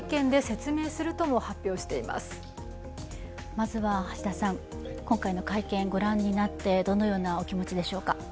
まずは橋田さん、今回の会見ご覧になって、どのようなお気持ちでしょうか？